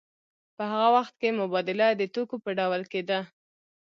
په هغه وخت کې مبادله د توکو په ډول کېدله